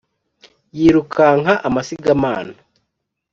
yirukanka amasigamana